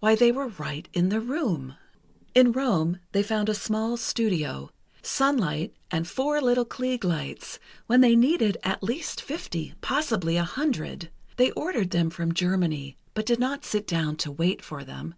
Why, they were right in the room! In Rome they found a small studio—sunlight, and four little Klieg lights, when they needed at least fifty, possibly a hundred. They ordered them from Germany, but did not sit down to wait for them.